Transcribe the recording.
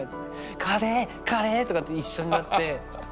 「カレー！カレー！」とか一緒になって。